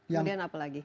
kemudian apa lagi